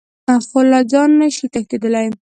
خو له ځانه نه شئ تښتېدلی .